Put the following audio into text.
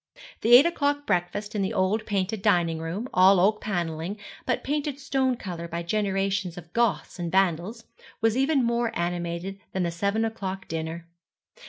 The eight o'clock breakfast in the old painted dining room all oak panelling, but painted stone colour by generations of Goths and Vandals was even more animated than the seven o'clock dinner.